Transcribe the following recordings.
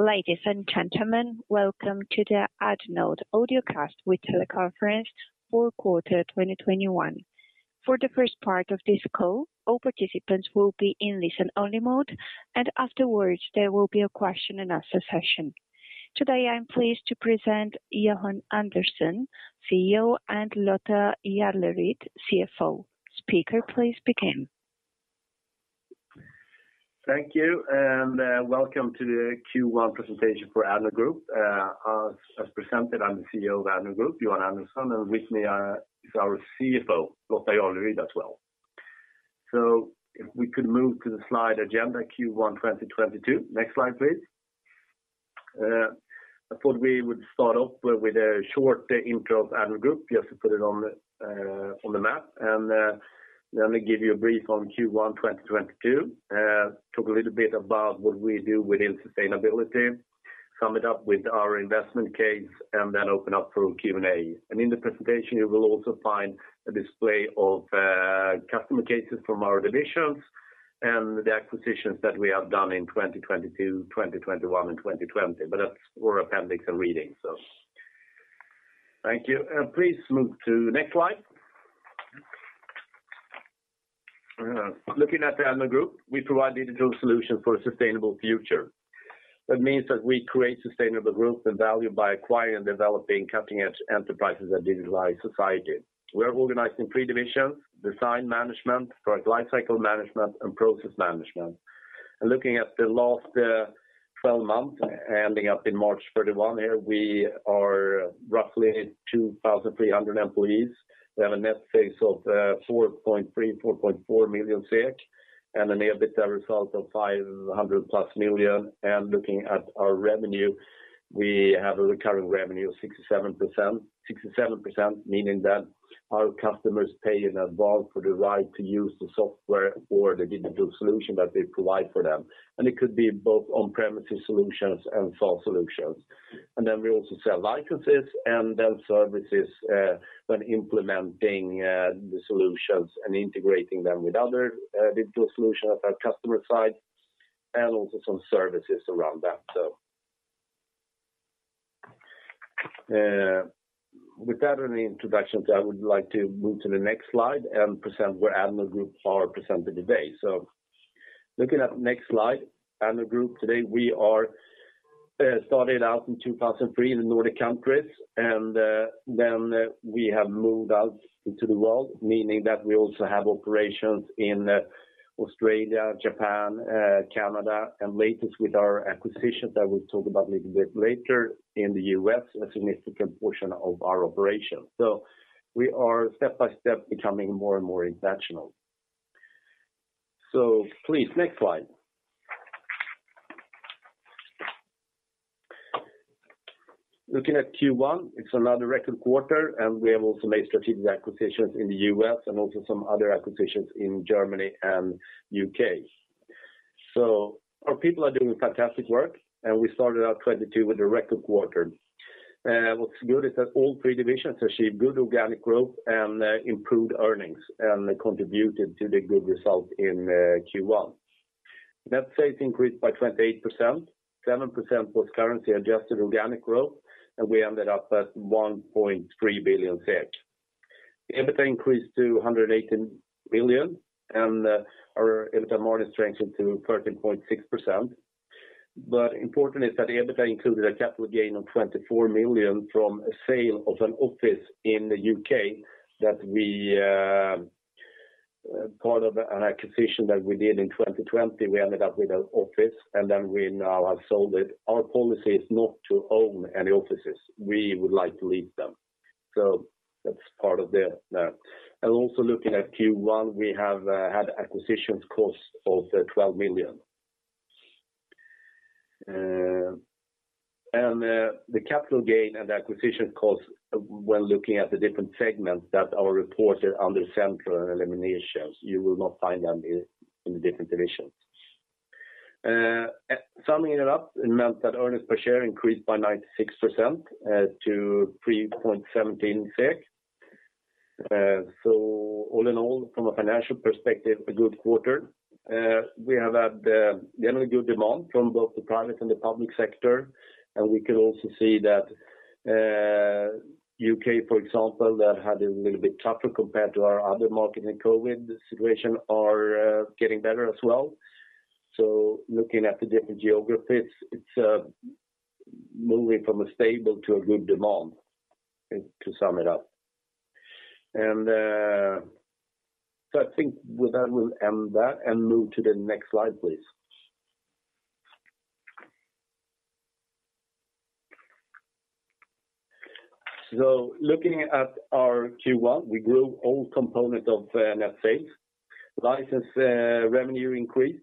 Ladies and gentlemen, welcome to the Addnode Audiocast with Teleconference [Fourth] Quarter 2021. For the first part of this call, all participants will be in listen-only mode, and afterwards there will be a question-and-answer session. Today, I am pleased to present Johan Andersson, CEO, and Lotta Jarleryd, CFO. Speaker, please begin. Thank you, welcome to the Q1 presentation for Addnode Group. As presented, I'm the CEO of Addnode Group, Johan Andersson, and with me is our CFO, Lotta Jarleryd as well. If we could move to the slide agenda Q1 2022. Next slide, please. I thought we would start off with a short intro of Addnode Group just to put it on the map. Let me give you a brief on Q1 2022, talk a little bit about what we do within sustainability, sum it up with our investment case, and then open up for Q&A. In the presentation, you will also find a display of customer cases from our divisions and the acquisitions that we have done in 2022, 2021, and 2020. That's more appendix and reading. Thank you. Please move to next slide. Looking at the Addnode Group, we provide digital solutions for a sustainable future. That means that we create sustainable growth and value by acquiring and developing cutting-edge enterprises that digitalize society. We are organized in three divisions: Design Management, Product Lifecycle Management, and Process Management. Looking at the last 12 months ending March 31 here, we are roughly 2,300 employees. We have net sales of 4.4 million SEK, and an EBITA result of 500+ million. Looking at our revenue, we have recurring revenue of 67%. 67% meaning that our customers pay in advance for the right to use the software or the digital solution that we provide for them. It could be both on-premises solutions and SaaS solutions. Then we also sell licenses and then services, when implementing, the solutions and integrating them with other, digital solutions at our customer side, and also some services around that. With that only introduction, I would like to move to the next slide and present where Addnode Group are presented today. Looking at next slide, Addnode Group today, we are, started out in 2003 in the Nordic countries, and, then, we have moved out into the world, meaning that we also have operations in, Australia, Japan, Canada, and latest with our acquisitions that we'll talk about a little bit later in the U.S., a significant portion of our operations. We are step-by-step becoming more and more international. Please, next slide. Looking at Q1, it's another record quarter, and we have also made strategic acquisitions in the U.S. and also some other acquisitions in Germany and U.K. Our people are doing fantastic work, and we started out 2022 with a record quarter. What's good is that all three divisions achieved good organic growth and improved earnings and contributed to the good result in Q1. Net sales increased by 28%, 7% was currency-adjusted organic growth, and we ended up at 1.3 billion SEK. The EBITA increased to 118 million, and our EBITA margin strengthened to 13.6%. Important is that the EBITA included a capital gain of 24 million from a sale of an office in the U.K. that was part of an acquisition that we did in 2020. We ended up with an office, and then we now have sold it. Our policy is not to own any offices. We would like to lease them. That's part of the. Also looking at Q1, we have had acquisition costs of SEK 12 million. The capital gain and acquisition costs when looking at the different segments that are reported under central eliminations, you will not find them in the different divisions. Summing it up, it meant that earnings per share increased by 96% to 3.17 SEK. All in all, from a financial perspective, a good quarter. We have had generally good demand from both the private and the public sector. We can also see that, U.K., for example, that had a little bit tougher compared to our other market in COVID situation are getting better as well. Looking at the different geographies, it's moving from a stable to a good demand to sum it up. I think with that, we'll end that and move to the next slide, please. Looking at our Q1, we grew all components of net sales. License revenue increased.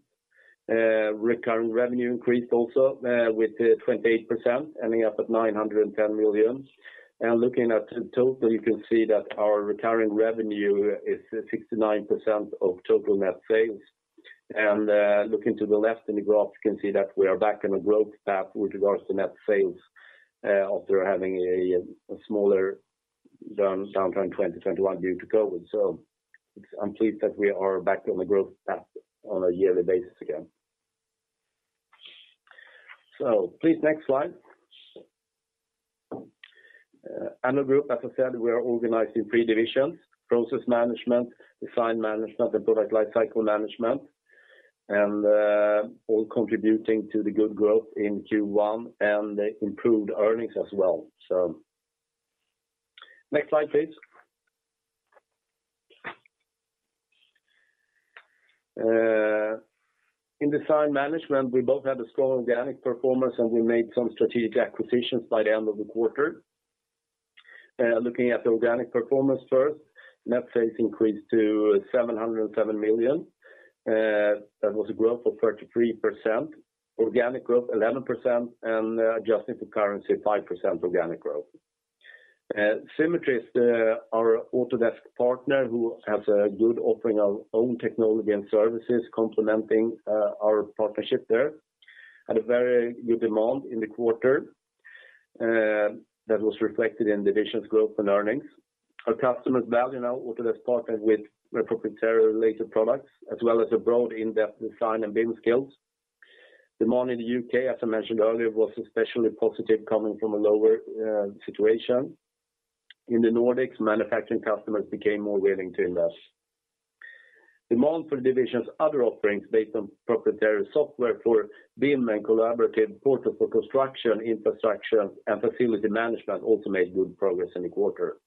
Recurring revenue increased also with 28%, ending up at 910 million. Looking at the total, you can see that our recurring revenue is 69% of total net sales. Looking to the left in the graph, you can see that we are back on a growth path with regards to net sales, after having a smaller downturn in 2021 due to COVID. I'm pleased that we are back on the growth path on a yearly basis again. Please next slide. Addnode Group, as I said, we are operating three divisions, Process Management, Design Management, and Product Lifecycle Management, and all contributing to the good growth in Q1 and the improved earnings as well. Next slide, please. In Design Management, we both had a strong organic performance, and we made some strategic acquisitions by the end of the quarter. Looking at the organic performance first, net sales increased to 707 million. That was a growth of 33%. Organic growth 11%, and adjusting for currency, 5% organic growth. Symetri is our Autodesk partner who has a good offering of own technology and services complementing our partnership there. Had a very good demand in the quarter that was reflected in division's growth and earnings. Our customers value now Autodesk partners with proprietary related products, as well as a broad in-depth design and BIM skills. Demand in the U.K., as I mentioned earlier, was especially positive coming from a lower situation. In the Nordics, manufacturing customers became more willing to invest. Demand for division's other offerings based on proprietary software for BIM and collaborative portal for construction, infrastructure, and facility management also made good progress in the quarter.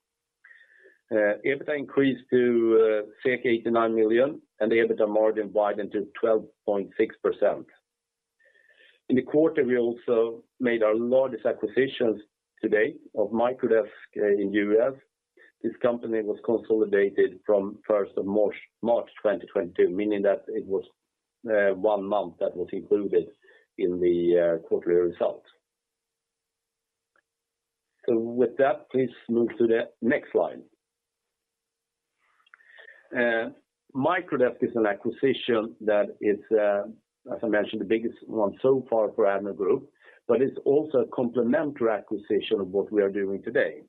EBITA increased to 89 million, and the EBITA margin widened to 12.6%. In the quarter, we also made our largest acquisitions to date of Microdesk in U.S. This company was consolidated from March 1, 2022, meaning that it was one month that was included in the quarterly results. With that, please move to the next slide. Microdesk is an acquisition that is, as I mentioned, the biggest one so far for Addnode Group, but it's also a complementary acquisition of what we are doing today.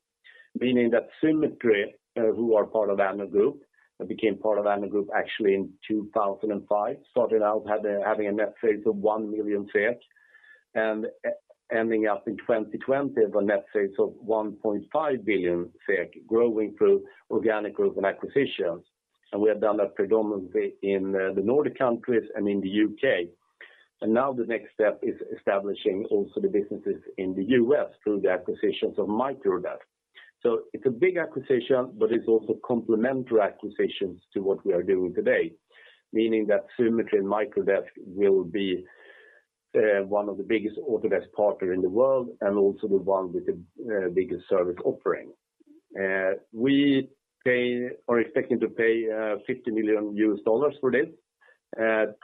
Meaning that Symetri, who are part of Addnode Group, became part of Addnode Group actually in 2005, started out having a net sales of 1 million, and ending up in 2020 with a net sales of 1.5 billion, growing through organic growth and acquisitions. We have done that predominantly in the Nordic countries and in the U.K. Now the next step is establishing also the businesses in the U.S. through the acquisitions of Microdesk. It's a big acquisition, but it's also complementary acquisitions to what we are doing today. Meaning that Symetri and Microdesk will be one of the biggest Autodesk partner in the world and also the one with the biggest service offering. We are expecting to pay $50 million for this, $26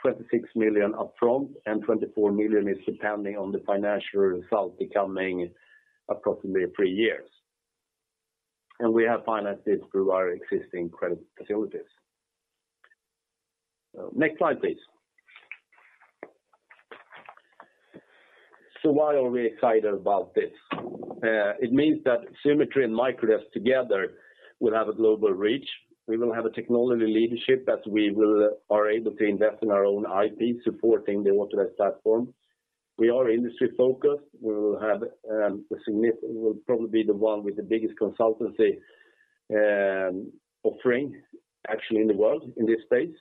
million up front and $24 million is depending on the financial result becoming approximately three years. We have financed this through our existing credit facilities. Next slide, please. Why are we excited about this? It means that Symetri and Microdesk together will have a global reach. We will have a technology leadership that we are able to invest in our own IP supporting the Autodesk platform. We are industry-focused. We'll probably be the one with the biggest consultancy offering actually in the world in this space.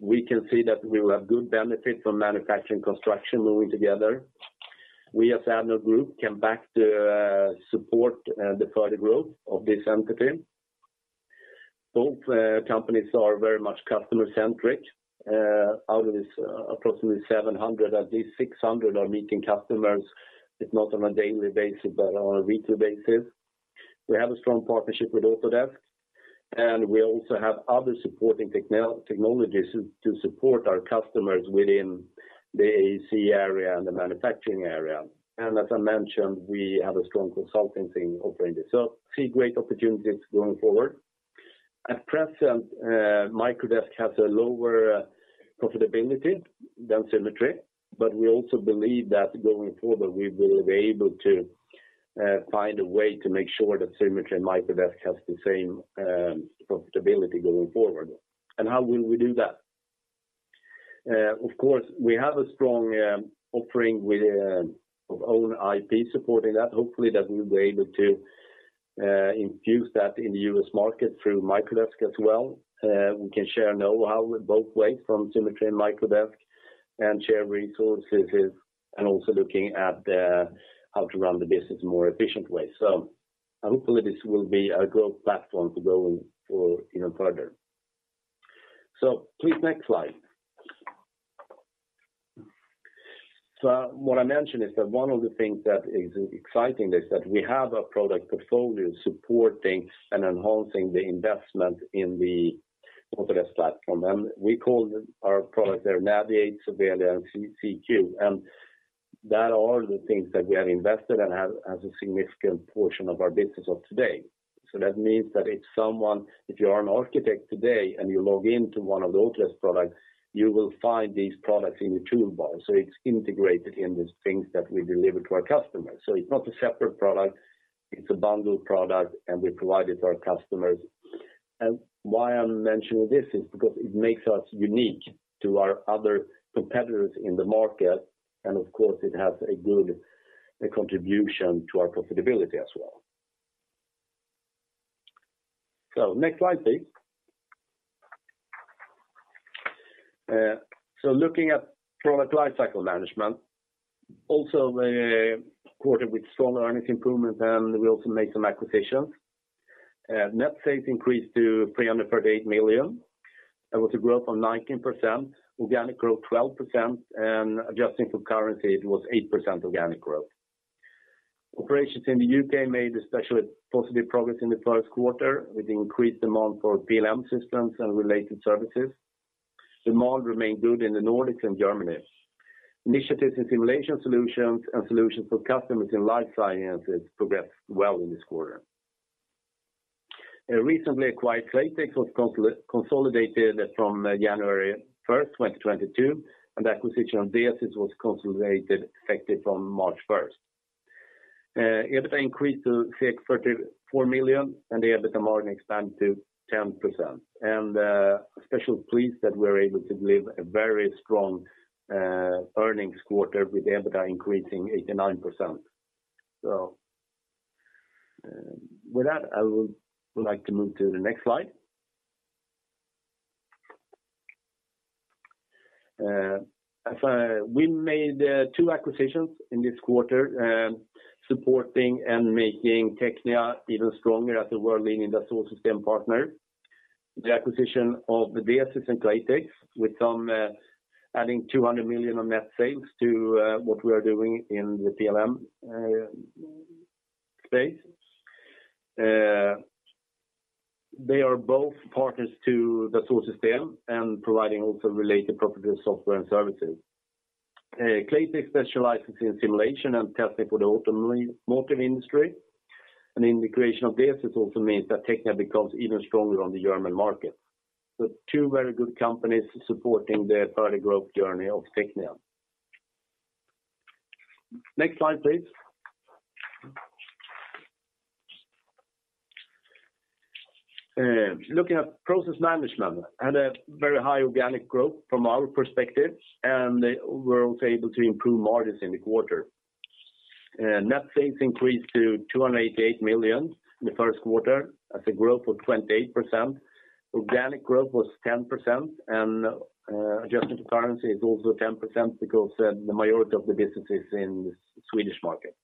We can see that we will have good benefit from manufacturing and construction moving together. We as Addnode Group can back up, support the further growth of this entity. Both companies are very much customer-centric. Out of this approximately 700, at least 600 are meeting customers, if not on a daily basis, but on a weekly basis. We have a strong partnership with Autodesk, and we also have other supporting technologies to support our customers within the AEC area and the manufacturing area. We have a strong consulting team offering this. We see great opportunities going forward. At present, Microdesk has a lower profitability than Symetri, but we also believe that going forward, we will be able to find a way to make sure that Symetri and Microdesk has the same profitability going forward. How will we do that? Of course, we have a strong offering with of own IP supporting that. Hopefully, that we'll be able to infuse that in the U.S. market through Microdesk as well. We can share know-how both ways from Symetri and Microdesk and share resources and also looking at how to run the business in more efficient ways. Hopefully, this will be a growth platform to go for, you know, further. Please next slide. What I mentioned is that one of the things that is exciting is that we have a product portfolio supporting and enhancing the investment in the Autodesk platform. We call our product there Naviate, Sovelia, and CQ. That all the things that we have invested and have as a significant portion of our business of today. That means that if someone, if you are an architect today and you log in to one of the Autodesk products, you will find these products in the toolbar. It's integrated in these things that we deliver to our customers. It's not a separate product, it's a bundled product, and we provide it to our customers. Why I'm mentioning this is because it makes us unique to our other competitors in the market, and of course, it has a good contribution to our profitability as well. Next slide, please. Looking at Product Lifecycle Management, also the quarter with strong earnings improvement, and we also made some acquisitions. Net sales increased to 338 million. That was a growth of 19%, organic growth 12%, and adjusting for currency, it was 8% organic growth. Operations in the U.K. Made especially positive progress in the first quarter with increased demand for PLM systems and related services. Demand remained good in the Nordics and Germany. Initiatives in simulation solutions and solutions for customers in life sciences progressed well in this quarter. Recently acquired Claytex was consolidated from January 1st, 2022, and the acquisition of DESYS was consolidated, effective from March 1st. EBITA increased to [44] million, and the EBITA margin expanded to 10%. I am especially pleased that we're able to deliver a very strong earnings quarter with EBITA increasing 89%. With that, I would like to move to the next slide. We made two acquisitions in this quarter, supporting and making TECHNIA even stronger as a world-leading Dassault Systèmes partner. The acquisition of DESYS and Claytex, with some adding 200 million of net sales to what we are doing in the PLM space. They are both partners to Dassault Systèmes and providing also related proprietary software and services. Claytex specializes in simulation and testing for the automotive industry. The integration of DESYS also means that TECHNIA becomes even stronger on the German market. Two very good companies supporting the further growth journey of TECHNIA. Next slide, please. Looking at Process Management, had a very high organic growth from our perspective, and we were also able to improve margins in the quarter. Net sales increased to 288 million in the first quarter. That's a growth of 28%. Organic growth was 10%, and adjusted to currency is also 10% because the majority of the business is in the Swedish market.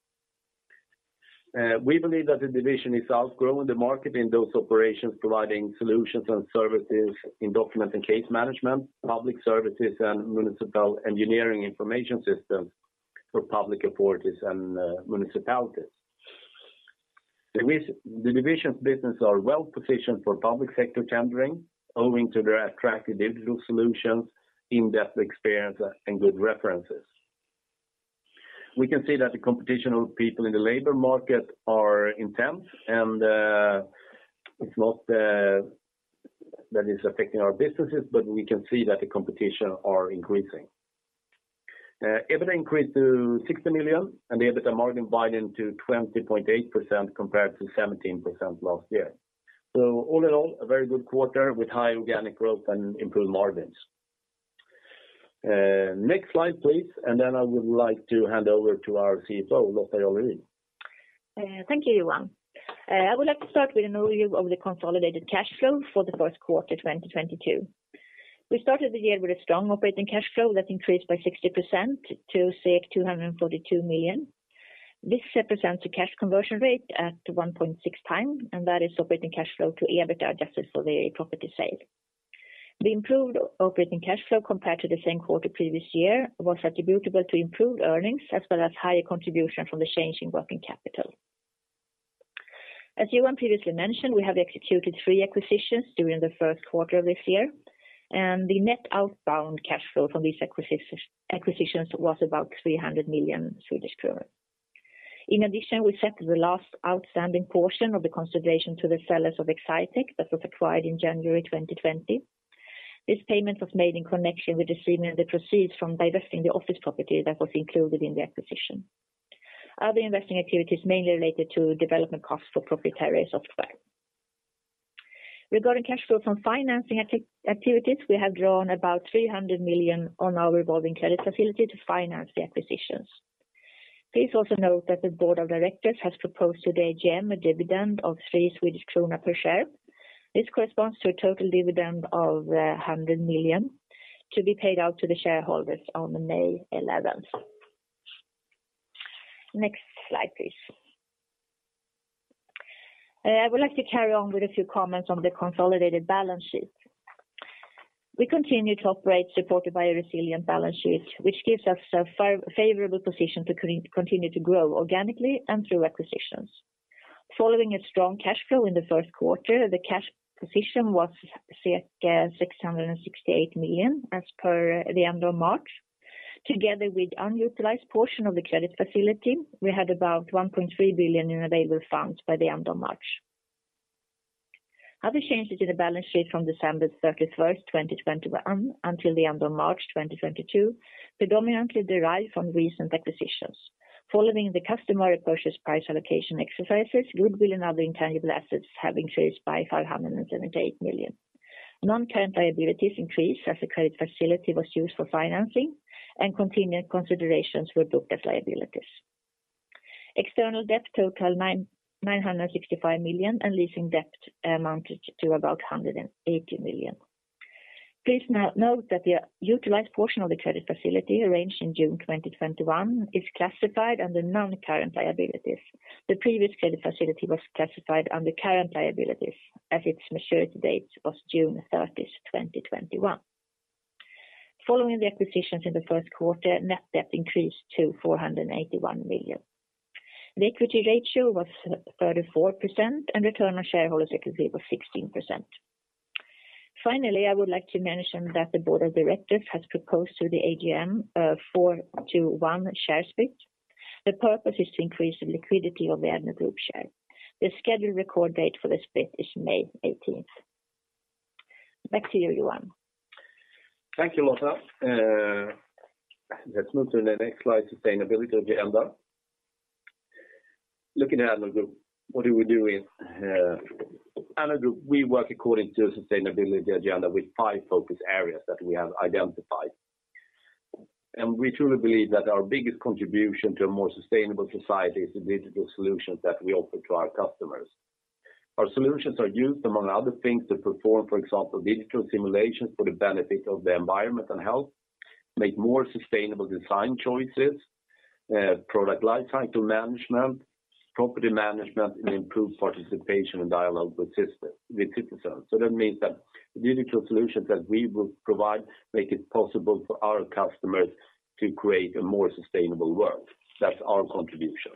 We believe that the division is outgrowing the market in those operations, providing solutions and services in document and case management, public services, and municipal engineering information systems for public authorities and municipalities. The division's business are well-positioned for public sector tendering, owing to their attractive digital solutions, in-depth experience, and good references. We can see that the competition of people in the labor market are intense, and, it's not, that is affecting our businesses, but we can see that the competition are increasing. EBITA increased to 60 million, and the EBITA margin widened to 20.8% compared to 17% last year. All in all, a very good quarter with high organic growth and improved margins. Next slide, please. Then I would like to hand over to our CFO, Lotta Jarleryd. Thank you, Johan. I would like to start with an overview of the consolidated cash flow for the first quarter 2022. We started the year with a strong operating cash flow that increased by 60% to 242 million. This represents a cash conversion rate at 1.6x, and that is operating cash flow to EBITA adjusted for the property sale. The improved operating cash flow compared to the same quarter previous year was attributable to improved earnings as well as higher contribution from the change in working capital. As Johan previously mentioned, we have executed three acquisitions during the first quarter of this year, and the net outflow cash flow from these acquisitions was about 300 million Swedish kronor. In addition, we set the last outstanding portion of the consideration to the sellers of Excitech that was acquired in January 2020. This payment was made in connection with receiving the proceeds from divesting the office property that was included in the acquisition. Other investing activities mainly related to development costs for proprietary software. Regarding cash flow from financing activities, we have drawn about 300 million on our revolving credit facility to finance the acquisitions. Please also note that the Board of Directors has proposed to the AGM a dividend of 3 Swedish krona per share. This corresponds to a total dividend of 100 million to be paid out to the shareholders on May 11th. Next slide, please. I would like to carry on with a few comments on the consolidated balance sheet. We continue to operate supported by a resilient balance sheet, which gives us a favorable position to continue to grow organically and through acquisitions. Following a strong cash flow in the first quarter, the cash position was 668 million as per the end of March. Together with unutilized portion of the credit facility, we had about 1.3 billion in available funds by the end of March. Other changes in the balance sheet from December 31st, 2021 until the end of March 2022 predominantly derived from recent acquisitions. Following the customer purchase price allocation exercises, goodwill and other intangible assets have increased by 578 million. Non-current liabilities increased as the credit facility was used for financing and continued considerations were booked as liabilities. External debt totaled 965 million, and leasing debt amounted to about 180 million. Please now note that the utilized portion of the credit facility arranged in June 2021 is classified under non-current liabilities. The previous credit facility was classified under current liabilities as its maturity date was June 30, 2021. Following the acquisitions in the first quarter, net debt increased to 481 million. The equity ratio was 34%, and return on shareholders equity was 16%. Finally, I would like to mention that the board of directors has proposed to the AGM 4:1 share split. The purpose is to increase the liquidity of the Addnode Group share. The scheduled record date for the split is May 18th. Back to you, Johan. Thank you, Lotta. Let's move to the next slide, sustainability agenda. Looking at Addnode Group, what we do is, Addnode Group we work according to a sustainability agenda with five focus areas that we have identified. We truly believe that our biggest contribution to a more sustainable society is the digital solutions that we offer to our customers. Our solutions are used, among other things, to perform, for example, digital simulations for the benefit of the environment and health, make more sustainable design choices, product life cycle management, property management, and improve participation and dialogue with citizens. That means that the digital solutions that we will provide make it possible for our customers to create a more sustainable world. That's our contribution.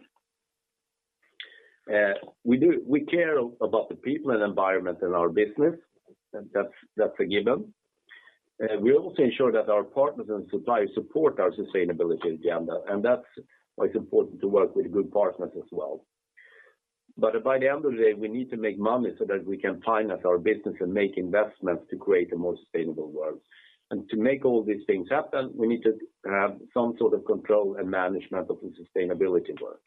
We care about the people and environment in our business. That's a given. We also ensure that our partners and suppliers support our sustainability agenda, and that's why it's important to work with good partners as well. By the end of the day, we need to make money so that we can finance our business and make investments to create a more sustainable world. To make all these things happen, we need to have some sort of control and management of the sustainability work.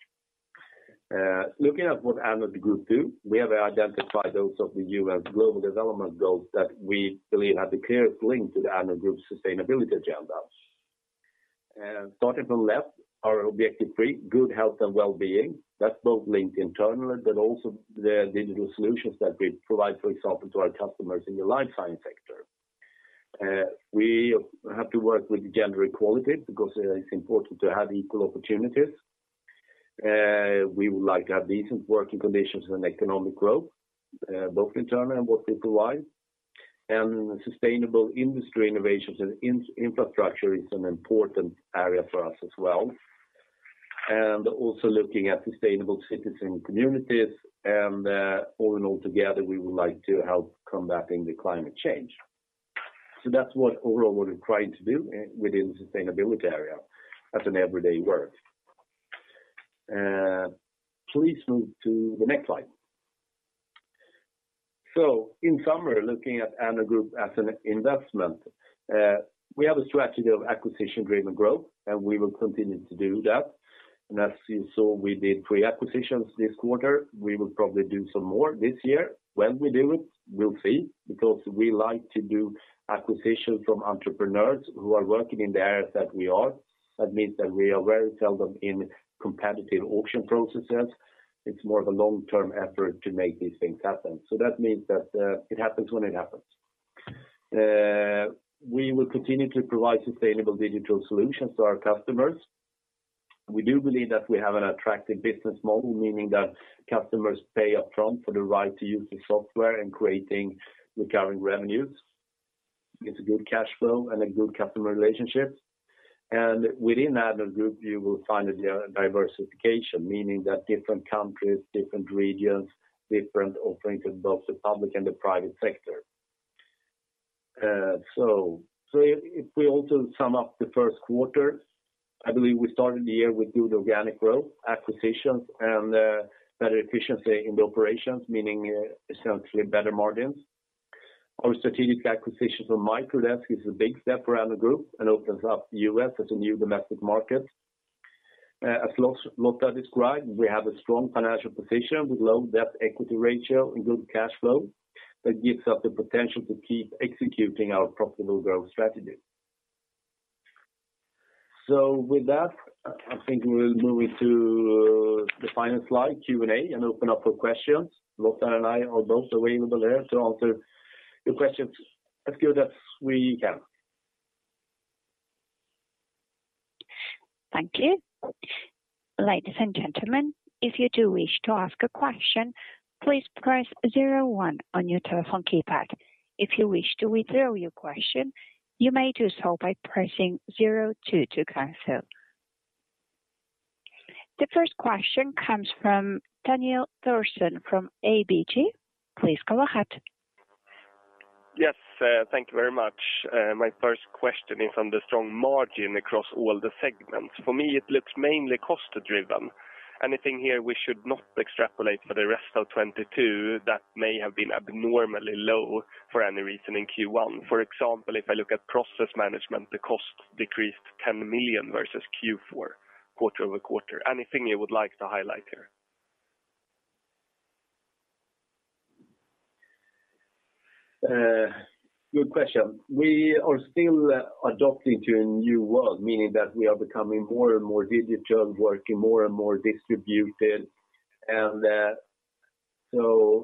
Looking at what Addnode Group do, we have identified those of the UN Global Development Goals that we believe have the clearest link to the Addnode Group's sustainability agenda. Starting from left, our objective three, good health and well-being. That's both linked internally, but also the digital solutions that we provide, for example, to our customers in the life science sector. We have to work with gender equality because it's important to have equal opportunities. We would like to have decent working conditions and economic growth, both internally and what we provide. Sustainable industry innovations and infrastructure is an important area for us as well. Also looking at sustainable citizen communities and, all in all together, we would like to help combating the climate change. That's what overall what we're trying to do within the sustainability area as an everyday work. Please move to the next slide. In summary, looking at Addnode Group as an investment, we have a strategy of acquisition-driven growth, and we will continue to do that. As you saw, we did three acquisitions this quarter. We will probably do some more this year. When we do it, we'll see, because we like to do acquisitions from entrepreneurs who are working in the areas that we are. That means that we are very seldom in competitive auction processes. It's more of a long-term effort to make these things happen. So that means that it happens when it happens. We will continue to provide sustainable digital solutions to our customers. We do believe that we have an attractive business model, meaning that customers pay upfront for the right to use the software and creating recurring revenues. It's a good cash flow and a good customer relationship. Within Addnode Group, you will find a diversification, meaning that different countries, different regions, different offerings in both the public and the private sector. If we also sum up the first quarter, I believe we started the year with good organic growth, acquisitions, and better efficiency in the operations, meaning essentially better margins. Our strategic acquisition from Microdesk is a big step for Addnode Group and opens up the U.S. as a new domestic market. As Lotta described, we have a strong financial position with low debt-to-equity ratio and good cash flow that gives us the potential to keep executing our profitable growth strategy. With that, I think we'll move into the final slide, Q&A, and open up for questions. Lotta and I are both available here to answer your questions as good as we can. Thank you. Ladies and gentlemen, if you do wish to ask a question, please press zero-one on your telephone keypad. If you wish to withdraw your question, you may do so by pressing zero-two to cancel. The first question comes from Daniel Thorsson from ABG. Please go ahead. Yes. Thank you very much. My first question is on the strong margin across all the segments. For me, it looks mainly cost-driven. Anything here we should not extrapolate for the rest of 2022 that may have been abnormally low for any reason in Q1? For example, if I look at Process Management, the cost decreased 10 million versus Q4, quarter-over-quarter. Anything you would like to highlight here? Good question. We are still adapting to a new world, meaning that we are becoming more and more digital, working more and more distributed. We are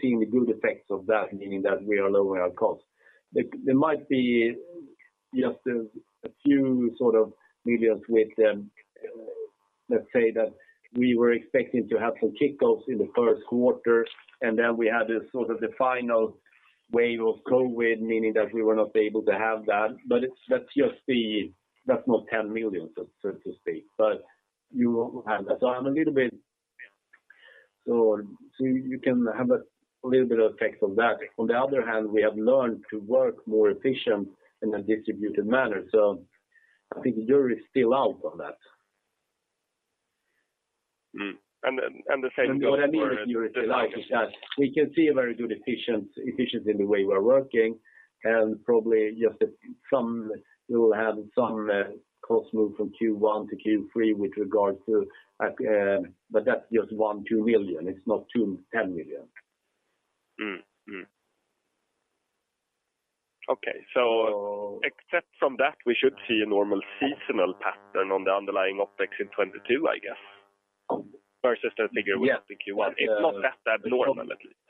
seeing the good effects of that, meaning that we are lowering our costs. There might be just a few sort of millions with, let's say that we were expecting to have some kickoffs in the first quarter, and then we had this sort of final wave of COVID, meaning that we were not able to have that. That's not 10 million, so to speak, but you have that. You can have a little bit of effect on that. On the other hand, we have learned to work more efficient in a distributed manner. I think the jury is still out on that. The same goes for. What I mean with the jury is still out is that we can see a very good efficiency in the way we're working, and probably just some costs will move from Q1 to Q3 with regards to. That's just 2 million. It's not 2 million, 10 million. Except from that, we should see a normal seasonal pattern on the underlying OpEx in 2022, I guess, versus the figure we have in Q1. Yeah. It's not that abnormal, at least.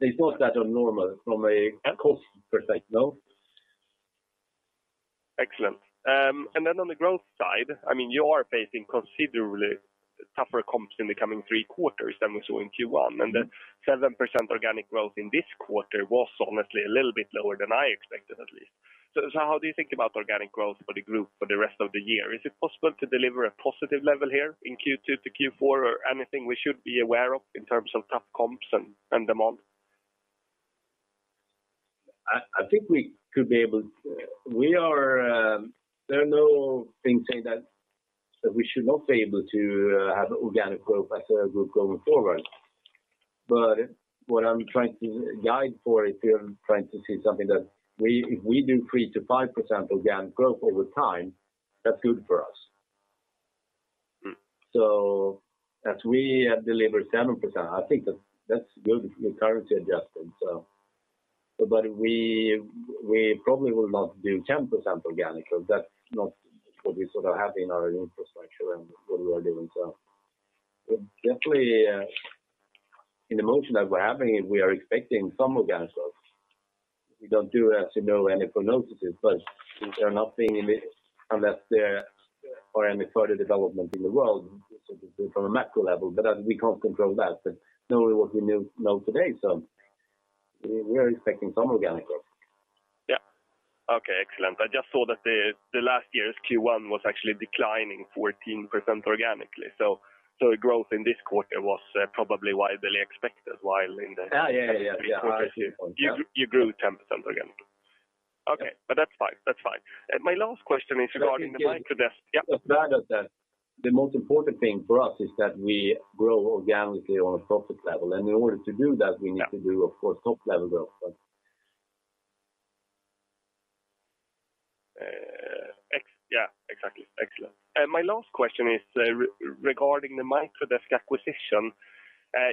It's not that abnormal from a cost perspective, no. Excellent. On the growth side, I mean, you are facing considerably tougher comps in the coming three quarters than we saw in Q1. The 7% organic growth in this quarter was honestly a little bit lower than I expected, at least. So how do you think about organic growth for the group for the rest of the year? Is it possible to deliver a positive level here in Q2 to Q4, or anything we should be aware of in terms of tough comps and demand? I think we could be able to have organic growth as a group going forward. There are no things saying that we should not be able to have organic growth as a group going forward. What I'm trying to guide for is we are trying to see something that we, if we do 3%-5% organic growth over time, that's good for us. Mm. As we have delivered 7%, I think that's good currency adjustment. We probably will not do 10% organic growth. That's not what we sort of have in our infrastructure and what we are doing. Definitely, in the motion that we're having, we are expecting some organic growth. We don't do, as you know, any prognoses, but there are nothing in it unless there are any further development in the world from a macro level. We can't control that, but knowing what we know today, we are expecting some organic growth. Yeah. Okay, excellent. I just saw that the last year's Q1 was actually declining 14% organically. So a growth in this quarter was probably widely expected while in the Yeah, yeah, yeah. You grew 10% organically. Okay. That's fine. My last question is regarding the Microdesk. Regarding the Yeah. The most important thing for us is that we grow organically on a profit level. In order to do that, we need to do, of course, top-level growth. Yeah, exactly. Excellent. My last question is, regarding the Microdesk acquisition.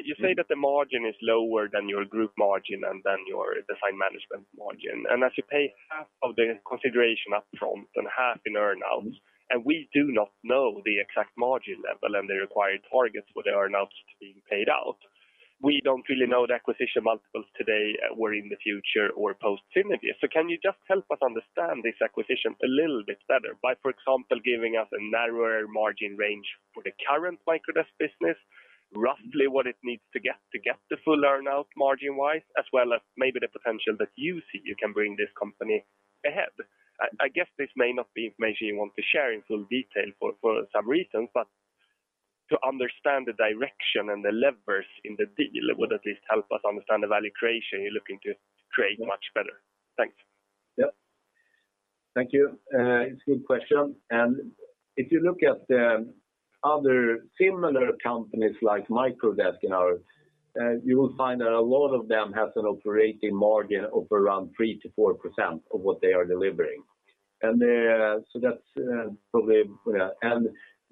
You say that the margin is lower than your Group margin and than your Design Management margin. As you pay half of the consideration up front and half in earn-outs, and we do not know the exact margin level and the required targets for the earn-outs being paid out, we don't really know the acquisition multiples today or in the future or post-synergy. Can you just help us understand this acquisition a little bit better by, for example, giving us a narrower margin range for the current Microdesk business, roughly what it needs to get to get the full earn-out margin-wise, as well as maybe the potential that you see you can bring this company ahead? I guess this may not be information you want to share in full detail for some reasons, but to understand the direction and the levers in the deal would at least help us understand the value creation you're looking to create much better. Thanks. Yeah. Thank you. It's a good question. If you look at the other similar companies like Microdesk, you will find that a lot of them have an operating margin of around 3%-4% of what they are delivering. So that's probably.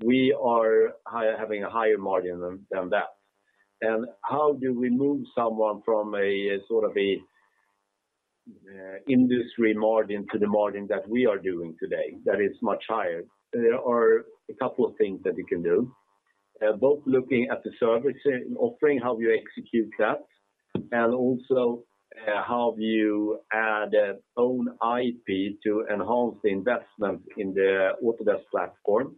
We are higher, having a higher margin than that. How do we move someone from a sort of a industry margin to the margin that we are doing today that is much higher? There are a couple of things that you can do. Both looking at the service offering, how you execute that, and also, how you add own IP to enhance the investment in the Autodesk platform.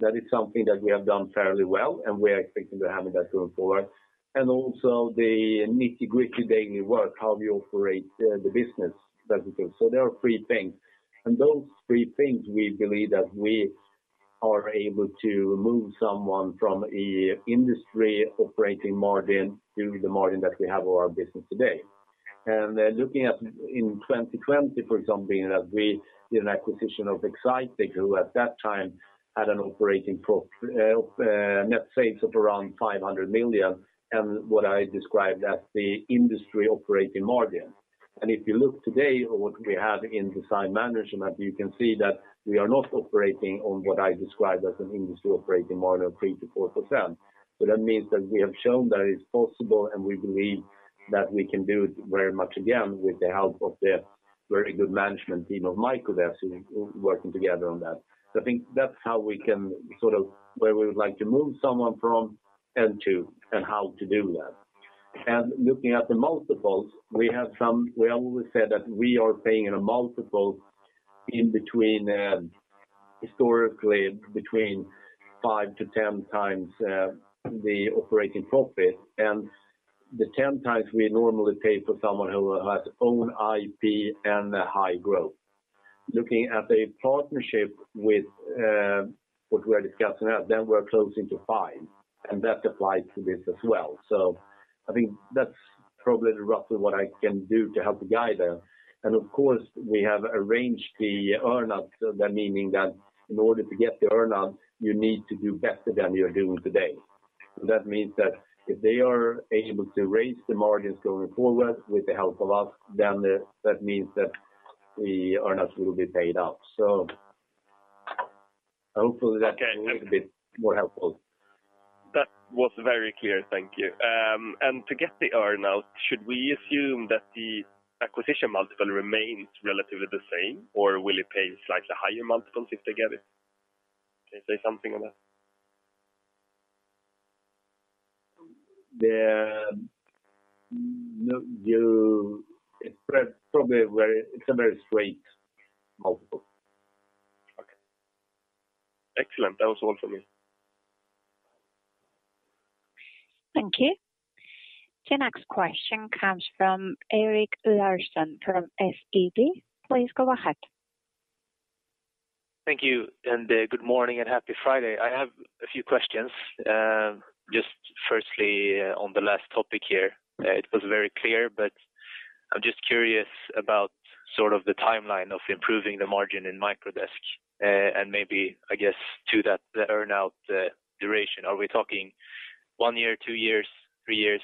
That is something that we have done fairly well, and we are expecting to have that going forward. Also the nitty-gritty daily work, how you operate the business that we do. There are three things. Those three things we believe that we are able to move someone from an industry operating margin to the margin that we have our business today. Then looking at in 2020, for example, you know, we did an acquisition of Excitech, who at that time had an operating net sales of around 500 million, and what I described as the industry operating margin. If you look today at what we have in Design Management, you can see that we are not operating on what I described as an industry operating margin of 3%-4%. That means that we have shown that it's possible, and we believe that we can do it very much again with the help of the very good management team of Microdesk working together on that. I think that's how we can sort of where we would like to move someone from and to, and how to do that. Looking at the multiples, we have some. We always said that we are paying in a multiple in between, historically between 5x-10x, the operating profit. The 10x we normally pay for someone who has own IP and a high growth. Looking at a partnership with, what we are discussing now, then we're closing to 5x, and that applies to this as well. I think that's probably roughly what I can do to help guide them. Of course, we have arranged the earn out, so that meaning that in order to get the earn out, you need to do better than you're doing today. That means that if they are able to raise the margins going forward with the help of us, then that means that the earn out will be paid out. Hopefully, that's a little bit more helpful. That was very clear. Thank you. To get the earn out, should we assume that the acquisition multiple remains relatively the same, or will it pay slightly higher multiples if they get it? Can you say something on that? It's probably a very straight multiple. Okay. Excellent. That was all for me. Thank you. The next question comes from Erik Larsson from SEB. Please go ahead. Thank you. Good morning, and happy Friday. I have a few questions. Just firstly, on the last topic here, it was very clear, but I'm just curious about sort of the timeline of improving the margin in Microdesk, and maybe, I guess, to that earn-out, duration. Are we talking one year, two years, three years?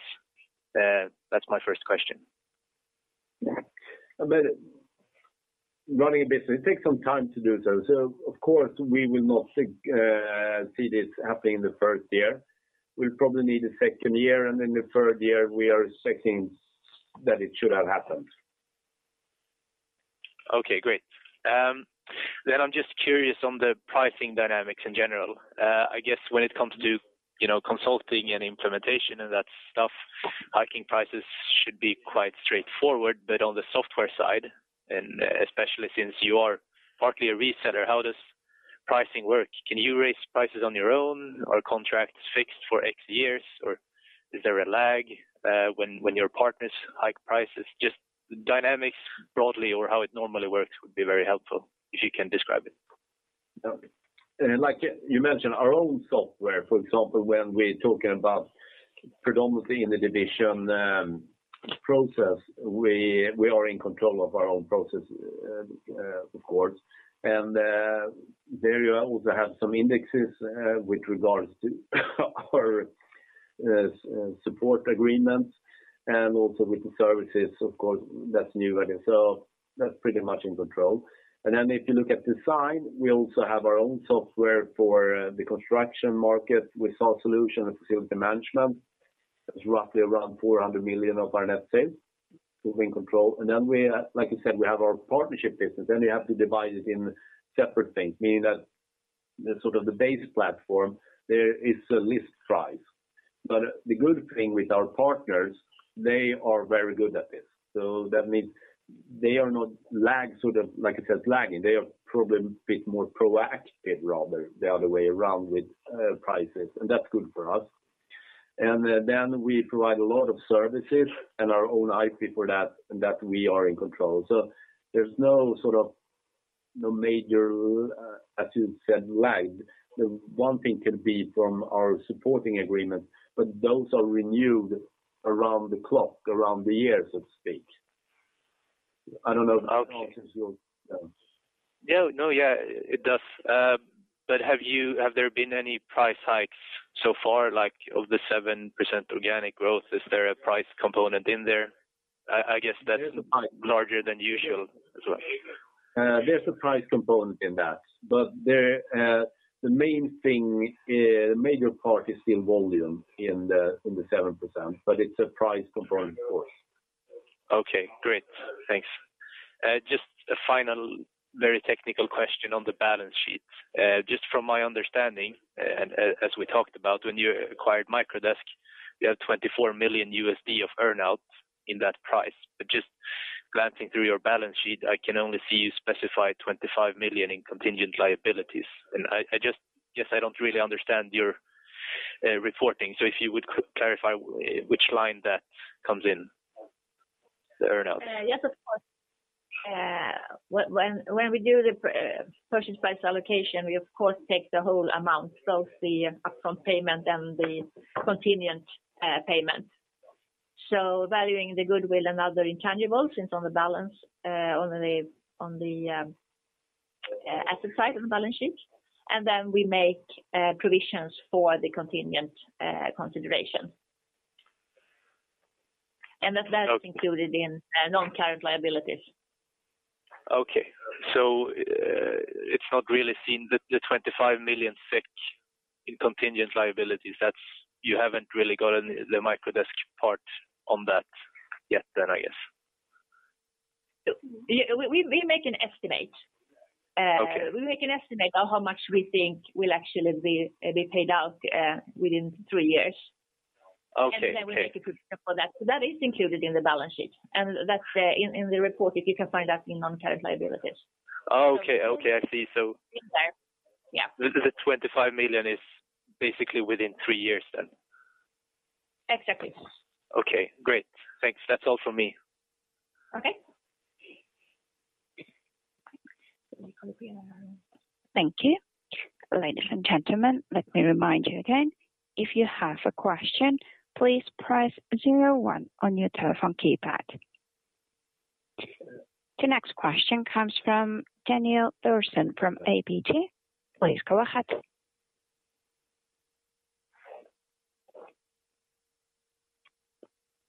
That's my first question. Running a business, it takes some time to do so. Of course, we will not see this happening in the first year. We'll probably need a second year, and in the third year, we are expecting that it should have happened. Okay, great. I'm just curious on the pricing dynamics in general. I guess when it comes to, you know, consulting and implementation and that stuff, hiking prices should be quite straightforward. On the software side, and especially since you are partly a reseller, how does pricing work? Can you raise prices on your own or contracts fixed for X years? Or is there a lag, when your partners hike prices? Just the dynamics broadly or how it normally works would be very helpful if you can describe it. Like you mentioned, our own software, for example, when we're talking about predominantly in the division, Process, we are in control of our own process, of course. There you also have some indexes with regards to our support agreements and also with the services. Of course, that's new and so that's pretty much in control. If you look at Design, we also have our own software for the construction market. Sovelia solution and facility management. That's roughly around 400 million of our net sales to be in control. Like I said, we have our partnership business. You have to divide it in separate things, meaning that the base platform, there is a list price. The good thing with our partners, they are very good at this. That means they are not lagging. They are probably a bit more proactive rather than the other way around with prices, and that's good for us. We provide a lot of services and our own IP for that, and that we are in control. There's no major, as you said, lag. The one thing could be from our supporting agreement, but those are renewed around the year, so to speak. I don't know how else is your. Yeah, no, yeah, it does. Have there been any price hikes so far, like of the 7% organic growth? Is there a price component in there? I guess that's larger than usual as well. There's a price component in that, but the main thing, the major part is still volume in the 7%, but it's a price component, of course. Okay, great. Thanks. Just a final, very technical question on the balance sheet. Just from my understanding, as we talked about when you acquired Microdesk, you have $24 million of earn out in that price. Just glancing through your balance sheet, I can only see you specify 25 million in contingent liabilities. I just guess I don't really understand your reporting. If you would clarify which line that comes in. Yes, of course. When we do the purchase price allocation, we of course take the whole amount, both the upfront payment and the contingent payment. Valuing the goodwill and other intangibles such as on the asset side of the balance sheet. Then we make provisions for the contingent consideration. That's included in non-current liabilities. Okay. It's not really seen the 25 million in contingent liabilities. You haven't really gotten the Microdesk part on that yet then, I guess. We make an estimate. Okay. We make an estimate of how much we think will actually be paid out within three years. Okay. We make a good step for that. That is included in the balance sheet. That's in the report, if you can find that in non-current liabilities. Oh, okay. I see. It's there. Yeah. The 25 million is basically within three years then? Exactly. Okay, great. Thanks. That's all for me. Okay. Thank you. Ladies and gentlemen, let me remind you again. If you have a question, please press zero one on your telephone keypad. The next question comes from Daniel Thorsson from ABG. Please go ahead.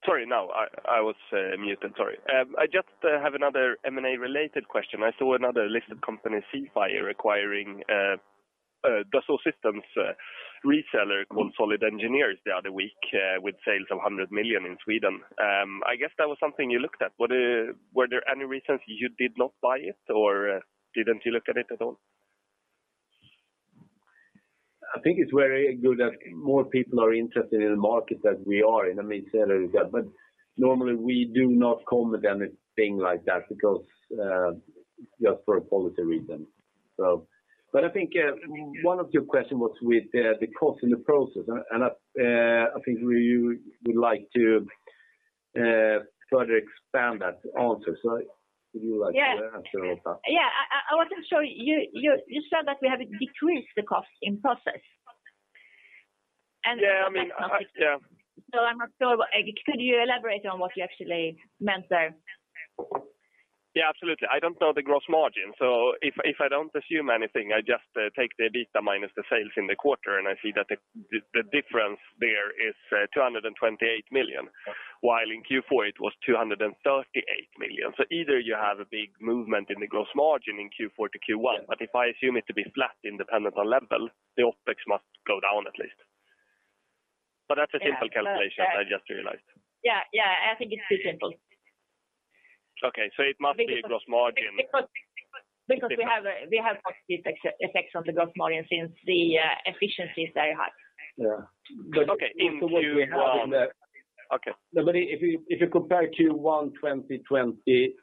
Sorry. Now I was muted. Sorry. I just have another M&A related question. I saw another listed company, CFI, acquiring Dassault Systèmes reseller called SolidEngineer the other week, with sales of 100 million in Sweden. I guess that was something you looked at. Were there any reasons you did not buy it, or didn't you look at it at all? I think it's very good that more people are interested in the market that we are in. I mean, certainly that. Normally we do not comment anything like that because, just for a policy reason. I think, one of your question was with the cost and the process. I think we would like to further expand that answer. Would you like to answer all that? Yeah. I wasn't sure. You said that we have decreased the cost in process. Yeah, I mean. Yeah. I'm not sure. Could you elaborate on what you actually meant there? Yeah, absolutely. I don't know the gross margin. If I don't assume anything, I just take the EBITA minus the sales in the quarter, and I see that the difference there is 228 million, while in Q4 it was 238 million. Either you have a big movement in the gross margin in Q4 to Q1. If I assume it to be flat independent on level, the OpEx must go down at least. That's a simple calculation I just realized. Yeah. I think it's too simple. Okay. It must be a gross margin. Because we have positive effects on the gross margin since the efficiencies that I have. Yeah. Okay. What we have on the Okay. If you compare Q1 2020,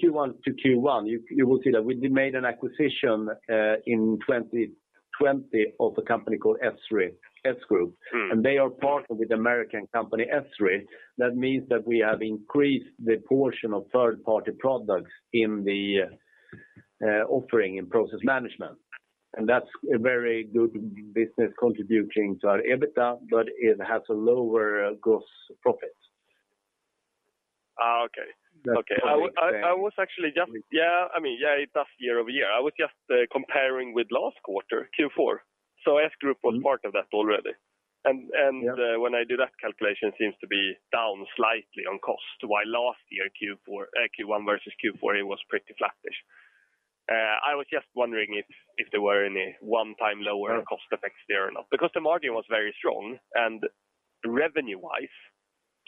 Q1 to Q1, you will see that we made an acquisition in 2020 of a company called S-GROUP. Mm. They are partnered with American company Esri. That means that we have increased the portion of third party products in the offering in Process Management. That's a very good business contributing to our EBITA, but it has a lower gross profit. Oh, okay. Okay. That's what I explained. Yeah. I mean, yeah, it does year-over-year. I was just comparing with last quarter, Q4. S-GROUP Solutions was part of that already. Yeah. When I do that calculation, it seems to be down slightly on cost. While last year, Q4, Q1 versus Q4, it was pretty flat-ish. I was just wondering if there were any one-time lower cost effects there or not. Because the margin was very strong. Revenue-wise,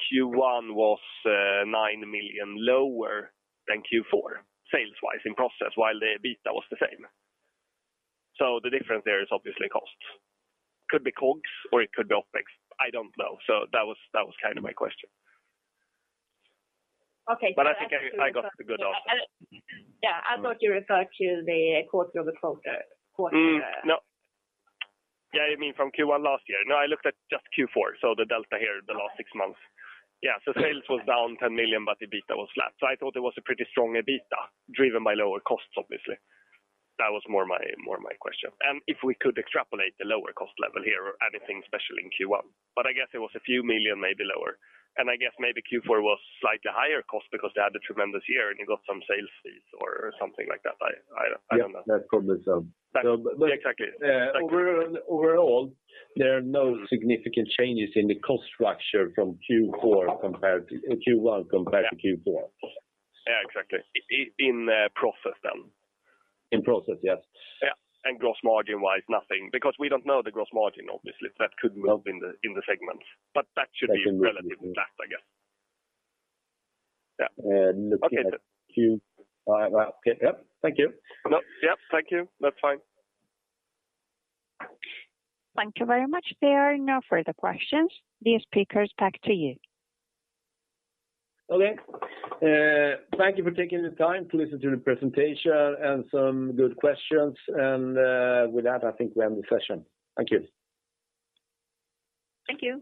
Q1 was 9 million lower than Q4 sales-wise in Process, while the EBITA was the same. The difference there is obviously costs. Could be COGS or it could be OpEx. I don't know. That was kind of my question. Okay. I think I got a good answer. Yeah. I thought you referred to the quarter-over-quarter. No. Yeah, you mean from Q1 last year. No, I looked at just Q4. The delta here, the last six months. Sales was down 10 million, but EBITA was flat. I thought it was a pretty strong EBITA driven by lower costs, obviously. That was more my question. If we could extrapolate the lower cost level here or anything, especially in Q1. I guess it was a few million, maybe lower. I guess maybe Q4 was slightly higher cost because they had a tremendous year, and you got some sales fees or something like that. I don't know. Yeah. That could be so. Exactly. Overall, there are no significant changes in the cost structure from Q1 compared to Q4. Yeah, exactly. In process then. In process, yes. Yeah. Gross margin-wise, nothing. Because we don't know the gross margin, obviously. That could help in the segment. That should be relatively flat, I guess. Yeah. Looking at Q Okay. Well, okay. Yes. Thank you. Yes. Thank you. That's fine. Thank you very much. There are no further questions. Dear speakers, back to you. Okay. Thank you for taking the time to listen to the presentation and some good questions. With that, I think we end the session. Thank you. Thank you.